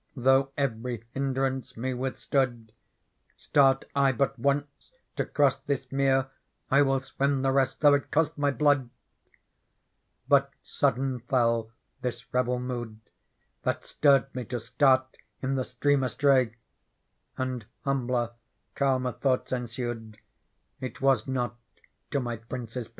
Though every hindrance nie withstood ; Start I but once to cross this mere, I will swim the rest, though it cost my blood ! But su dden f e ll ^tfals rebel mood That stirred me to start_in thfi Stream^^tray, And humbler, ralmer tbxuiglitgLensued ; It was not to mj^ Pcincfil&4)ay.